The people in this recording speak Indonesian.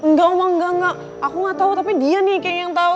engga oma engga engga aku gak tau tapi dia nih kayaknya yang tau